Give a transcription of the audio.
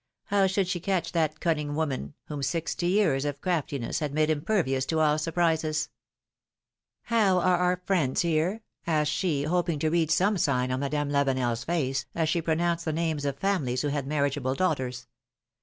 How should she catch that cunning woman, whom sixty years of craftiness had made impervious to all surprises ? How are our friends here ? asked she, hoping to read some sign on Madame Lavenel's face, as she pronounced the names of families who had marriageable daughters.